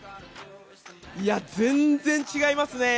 全然違いますね。